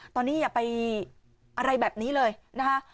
ตอนนี้อย่าไปอะไรแบบนี้เลยนะคะ